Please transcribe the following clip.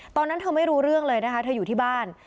ตอนนั้นเธอไม่รู้เรื่องเลยนะคะเธออยู่ที่บ้าน